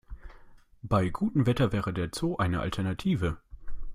Bei gutem Wetter wäre der Zoo eine Alternative.